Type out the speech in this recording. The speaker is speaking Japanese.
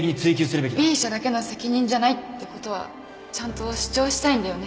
Ｂ 社だけの責任じゃないってことはちゃんと主張したいんだよね